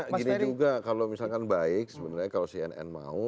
ya gini juga kalau misalkan baik sebenarnya kalau cnn mau